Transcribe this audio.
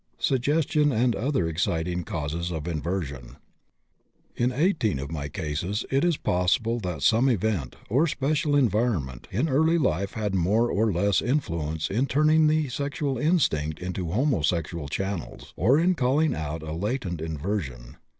SUGGESTION AND OTHER EXCITING CAUSES OF INVERSION. In 18 of my cases it is possible that some event, or special environment, in early life had more or less influence in turning the sexual instinct into homosexual channels, or in calling out a latent inversion.